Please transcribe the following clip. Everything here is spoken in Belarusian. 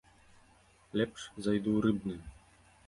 Лепш зайду ў рыбны.